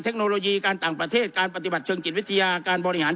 เทคโนโลยีการต่างประเทศการปฏิบัติเชิงจิตวิทยาการบริหาร